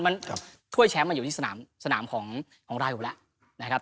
มันถ้วยแชมป์มันอยู่ที่สนามของเราอยู่แล้วนะครับ